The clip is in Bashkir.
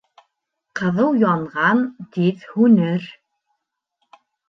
Ҡыҙыу янған тиҙ һүнер.